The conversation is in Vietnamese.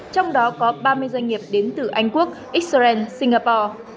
trong đó có ba mươi doanh nghiệp đến từ anh quốc israel singapore